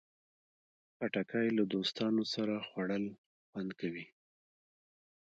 خټکی له دوستانو سره خوړل خوند کوي.